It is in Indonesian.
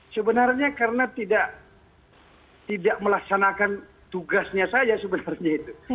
sebenarnya karena tidak melaksanakan tugasnya saja sebenarnya itu